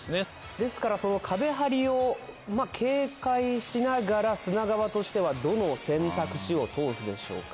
ですからかべはりを警戒しながら砂川としてはどの選択肢を通すでしょうか？